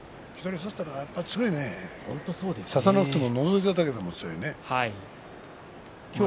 差さなくてものぞいただけでも強いね。